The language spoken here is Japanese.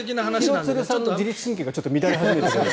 廣津留さんの自律神経が乱れ始めているので。